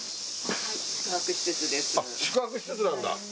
宿泊施設なんだ。